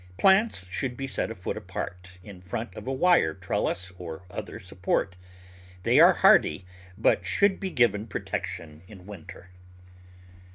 Plants should be set a foot apart in front of a wire trellis or other support. They are hardy, but should be given protection in winter.